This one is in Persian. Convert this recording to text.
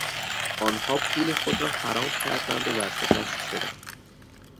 آنها پول خود را حرام کردند و ورشکست شدند.